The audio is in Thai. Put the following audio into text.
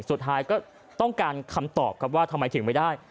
สุดท้ายก็ต้องการคำตอบครับว่าทำไมถึงไม่ได้